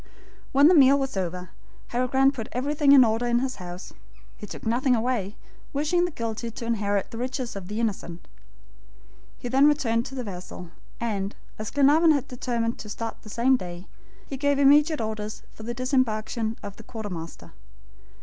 When the meal was over, Harry Grant put everything in order in his house. He took nothing away, wishing the guilty to inherit the riches of the innocent. Then they returned to the vessel, and, as Glenarvan had determined to start the same day, he gave immediate orders for the disembarkation of the quartermaster.